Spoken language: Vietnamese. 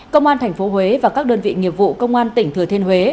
công an tp huế và các đơn vị nghiệp vụ công an tỉnh thừa thiên huế